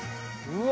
うわ！